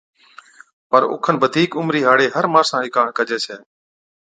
پر اوکن بڌِيڪ عمرِي ھاڙي ھر ماڻسا چي ڪاڻ ڪجَي ڇَي